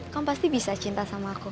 kamu pasti bisa cinta sama aku